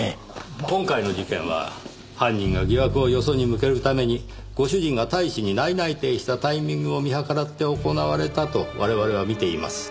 今回の事件は犯人が疑惑をよそに向けるためにご主人が大使に内々定したタイミングを見計らって行われたと我々は見ています。